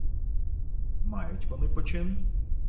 — Мають вони почин?